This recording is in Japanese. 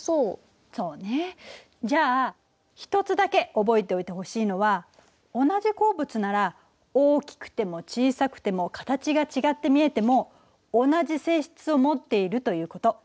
そうねじゃあ１つだけ覚えておいてほしいのは同じ鉱物なら大きくても小さくても形が違って見えても同じ性質を持っているということ。